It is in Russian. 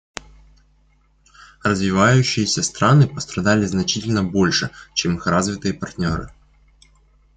Развивающиеся страны пострадали значительно больше, чем их развитые партнеры.